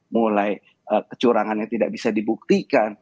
mulai kecurangannya tidak bisa dibuktikan